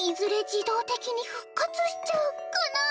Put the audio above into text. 自動的に復活しちゃうかな？